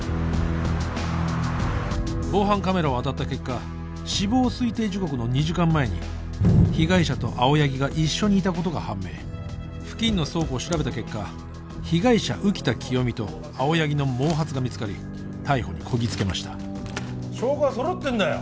防犯カメラを当たった結果死亡推定時刻の２時間前に被害者と青柳が一緒にいたことが判明付近の倉庫を調べた結果被害者浮田清美と青柳の毛髪が見つかり逮捕にこぎつけました証拠は揃ってんだよ